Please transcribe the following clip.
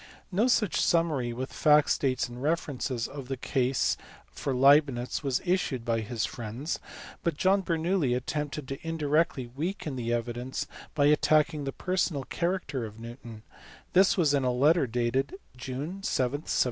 No such summary (with facts, dates, and references) of the case for Leibnitz was issued by his friends; but John Bernoulli attempted to indirectly weaken the evidence by attacking the personal character of Newton : this was in a letter dated June 7, 1713.